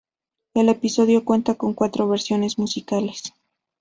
El episodio cuenta con cuatro versiones musicales.